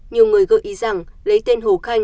nhiều người gợi ý rằng lấy tên hồ khanh